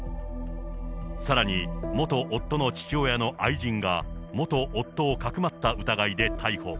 さらに元夫の父親の愛人が、元夫をかくまった疑いで逮捕。